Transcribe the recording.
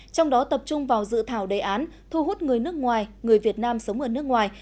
trong đó tập trung vào dự thảo đề án thu hút người nước ngoài người việt nam sống ở nước ngoài